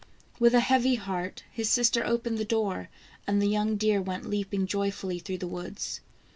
With a heavy heart, his sister opened the door, and the young deer went leaping joyfully through the woods.